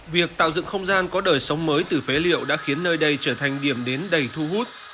việc tạo dựng không gian có đời sống mới từ phế liệu đã khiến nơi đây trở thành điểm đến đầy thu hút